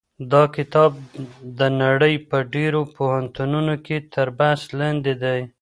دا کتاب د نړۍ په ډېرو پوهنتونونو کې تر بحث لاندې دی.